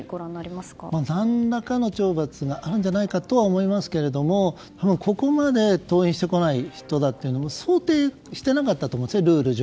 何らかの懲罰があるんじゃないかとは思いますけれどもここまで登院してこない人だと想定していなかったと思うんですルール上。